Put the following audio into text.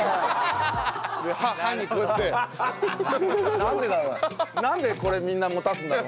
なんでこれみんな持たすんだろうね？